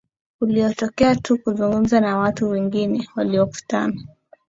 uliyotokea tu kuzungumza na watu wengine waliokutana